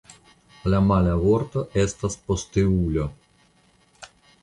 La mala vorto estas posteulo.